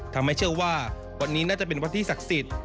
ทำให้เชื่อว่าวัดนี้น่าจะเป็นวัดที่ศักดิ์สิทธิ์